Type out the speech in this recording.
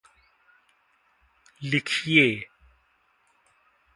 लिखिए!